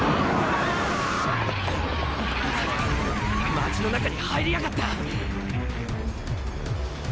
街の中に入りやがった。